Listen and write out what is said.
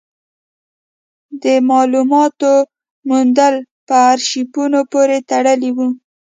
د مالوماتو موندل په ارشیفونو پورې تړلي وو.